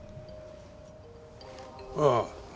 ああ。